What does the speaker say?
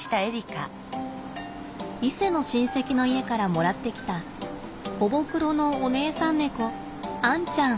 伊勢の親戚の家からもらってきたほぼ黒のお姉さん猫あんちゃん。